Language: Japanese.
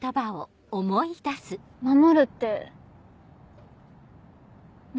守るって何？